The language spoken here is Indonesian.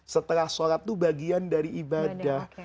setelah sholat itu bagian dari ibadah